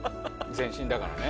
全身だからね。